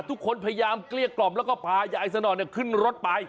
ทุกคนพยายามเกลี้ยกล่อมแล้วก็พายายสนอนขึ้นรถไป